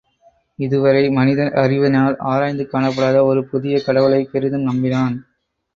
இதுவரை மனித அறிவினால் ஆராய்ந்து காணப்படாத ஒரு புதிய கடவுளைப் பெரிதும் நம்பினான்.